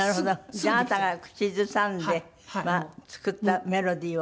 じゃああなたが口ずさんで作ったメロディーを。